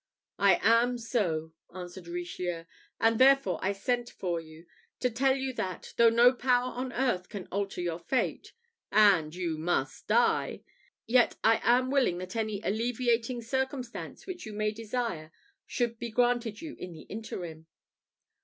"I am so," answered Richelieu, "and therefore I sent for you, to tell you that, though no power on earth can alter your fate and you must die! yet I am willing that any alleviating circumstance which you may desire should be granted you in the interim."